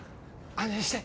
安心して。